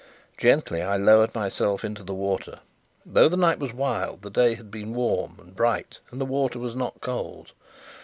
Gently I lowered myself into the water. Though the night was wild, the day had been warm and bright, and the water was not cold.